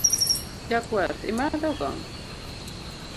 Jakuath imadho kong'o?